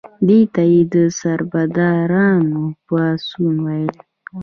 دې ته یې د سربدارانو پاڅون ویل.